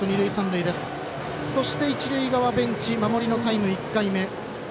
そして一塁側ベンチ守りのタイム１回目。